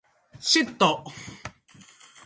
It is conterminous with the province of Free State.